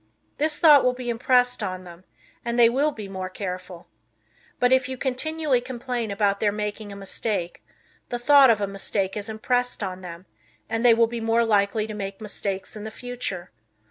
This thought will be impressed on them and they will be more careful. But, if you continually complain about their making a mistake, the thought of a mistake is impressed on them and they will be more likely to make mistakes in the future.